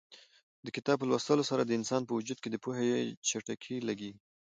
د کتاب په لوستلو سره د انسان په وجود کې د پوهې جټکې لګېږي.